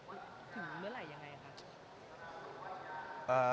ถึงเมื่อไหร่ยังไงคะ